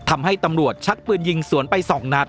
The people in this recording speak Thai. ทำให้ตำรวจชักปืนยิงสวนไป๒นัด